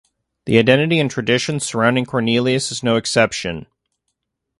The identity and traditions surrounding Cornelius is no exception.